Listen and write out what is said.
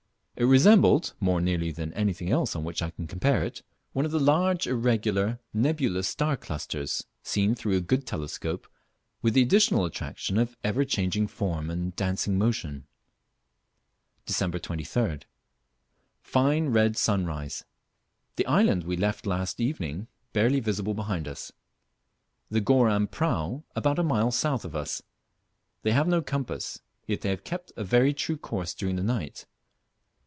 It resembled (more nearly than anything else to which I can compare it) one of the large irregular nebulous star clusters seen through a good telescope, with the additional attraction of ever changing form and dancing motion. Dec. 23d. Fine red sunrise; the island we left last evening barely visible behind us. The Goram prau about a mile south of us. They have no compass, yet they have kept a very true course during the night.